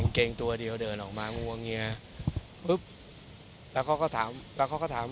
เกงตัวเดียวเดินออกมางวงเงียปุ๊บแล้วเขาก็ถามแล้วเขาก็ถาม